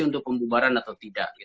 untuk pembubaran atau tidak